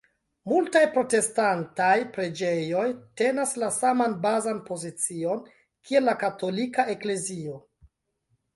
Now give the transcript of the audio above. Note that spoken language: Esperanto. Multaj protestantaj preĝejoj tenas la saman bazan pozicion kiel la katolika eklezio.